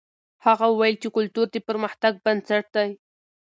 هغه وویل چې کلتور د پرمختګ بنسټ دی.